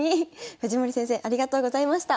藤森先生ありがとうございました。